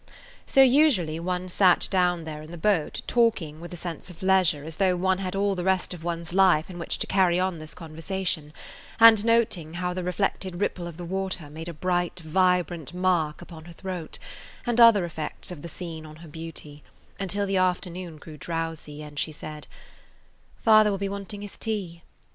So usually one sat down there in the boat, talking with a sense of leisure, as though one had all the rest of one's life in which to carry on this conversation, and noting how the reflected ripple of the water made a bright, vibrant, mark upon her throat, and other effects of the scene upon her beauty, until the afternoon grew drowsy, and she said, "Father will be wanting his tea."